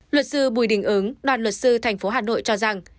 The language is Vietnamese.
luật sư bùi đình ứng đoàn luật sư thành phố hà nội cho rằng